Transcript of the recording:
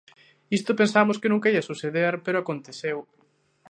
Isto pensamos que nunca ía suceder, pero aconteceu.